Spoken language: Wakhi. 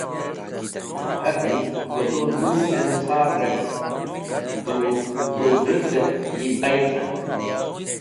K̃hati: Ko tu niwiz dem sar-e ark, tu k̃hũ vũrũter yi bayd k̃han.